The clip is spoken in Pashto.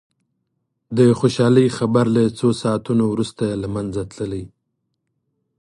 د خوشالي خبر له څو ساعتونو وروسته له منځه تللي.